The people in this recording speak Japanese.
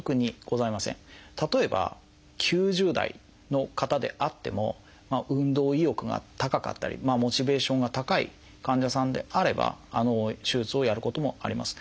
例えば９０代の方であっても運動意欲が高かったりモチベーションが高い患者さんであれば手術をやることもあります。